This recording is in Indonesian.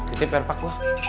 ini perpak gue